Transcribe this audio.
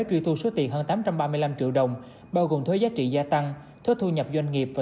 truy thu số tiền hơn tám trăm ba mươi năm triệu đồng bao gồm thuế giá trị gia tăng thuế thu nhập doanh nghiệp và